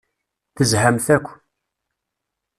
Tezhamt akk.